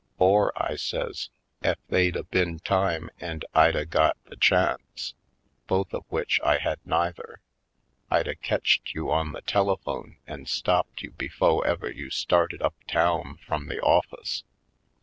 Or," I says, "ef they'd a been time an' I'd a got Pistol Plays 239 the chance — both of w'ich I had neither — I'd a ketched you on the telephone an' stopped you befo' ever you started up town frum the office.